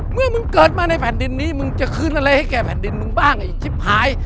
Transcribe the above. เมื่อมึงเกิดมาในแผ่นดินนี้มึงจะคืนอะไรให้แก่แผ่นดินมึงบ้างไอ้ชิบหาย